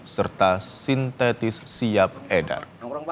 serta sintetis siap edar